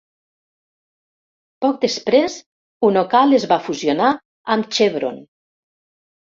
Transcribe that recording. Poc després, Unocal es va fusionar amb Chevron.